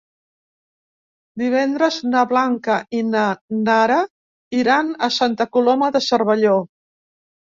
Divendres na Blanca i na Nara iran a Santa Coloma de Cervelló.